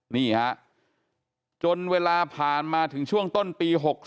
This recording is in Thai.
นี่ฮะจนเวลาผ่านมาถึงช่วงต้นปี๖๓